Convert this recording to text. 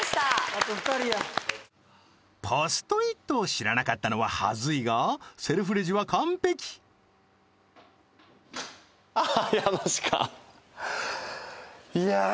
あと２人やポストイットを知らなかったのは恥ずいがセルフレジは完璧あっマジかいやー